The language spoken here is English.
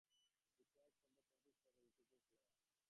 The text as copied from the inscription is as follows.